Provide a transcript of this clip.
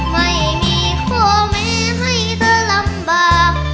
ไม่มีพ่อแม่ให้เธอลำบาก